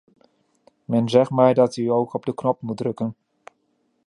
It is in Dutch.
Men zegt mij dat u ook op de knop moet drukken.